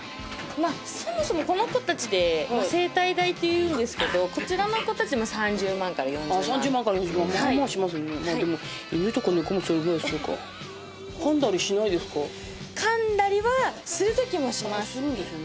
まあそもそもこの子たちで生体代というんですけどこちらの子たち３０万から４０万ああ３０万から４０万まあまあしますねまあでもはい犬とか猫もそれぐらいするか噛んだりはする時はしますああするんですね